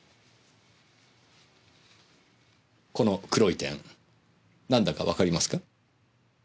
この黒い点なんだかわかりますか？